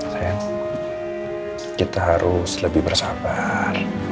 saya kita harus lebih bersabar